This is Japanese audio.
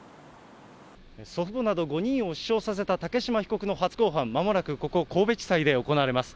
祖父母など５人を死傷させた竹島被告の初公判、まもなくここ、神戸地裁で行われます。